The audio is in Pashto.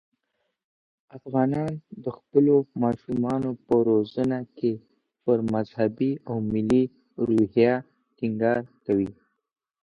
افغانان د خپلو ماشومانو په روزنه کې پر مذهبي او ملي روحیه ټینګار کوي.